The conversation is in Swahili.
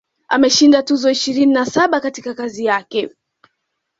Ameshinda tuzo ishirini na saba katika kazi yake